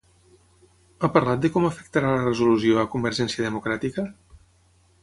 Ha parlat de com afectarà la resolució a Convergència Democràtica?